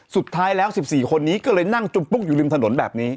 สุดท้ายแล้ว๑๔คนนี้ก็เลยนั่งจุมปุ๊กอยู่ริมถนนแบบนี้